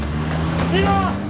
次郎！